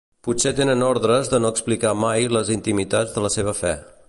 Potser tenen ordres de no explicar mai les intimitats de la seva fe.